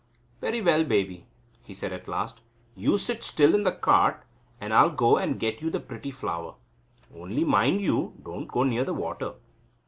"Very well, baby," he said at last, "you sit still in the cart, and I'll go and get you the pretty flower. Only mind you don't go near the water."